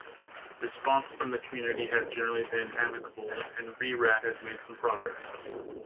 Response from the community has generally been amicable and Re-Rad has made some progress.